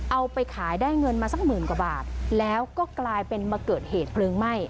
เอาไปขายได้เงินมาสักหมื่นกว่าบาทแล้วก็กลายเป็นมาเกิดเหตุเพลิงไหม้